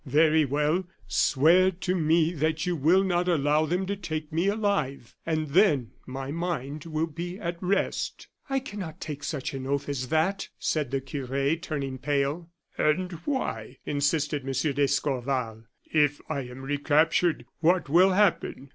Very well, swear to me that you will not allow them to take me alive, and then my mind will be at rest." "I cannot take such an oath as that," said the cure, turning pale. "And why?" insisted M. d'Escorval. "If I am recaptured, what will happen?